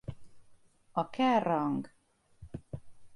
A Kerrang!